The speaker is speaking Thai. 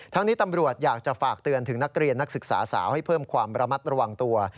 นี้ตำรวจอยากจะฝากเตือนถึงนักเรียนนักศึกษาสาวให้เพิ่มความระมัดระวังตัว